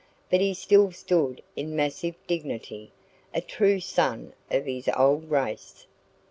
But he still stood in massive dignity, a true son of his old race.